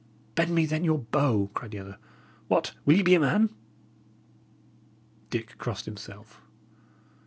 "Bend me, then, your bow!" cried the other. "What! will ye be a man?" Dick crossed himself.